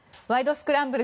スクランブル」